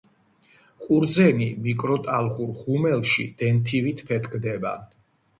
ყურძენი მიკროტალღურ ღუმელში დენთივით ფეთქდება